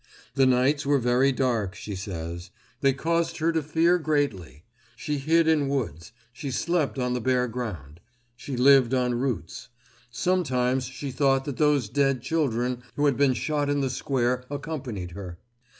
The nights were very dark, she says; they caused her to fear greatly. She hid in woods. She slept on the bare ground. She lived on roots. Sometimes she thought that those dead children who had been shot in the square, accompanied her.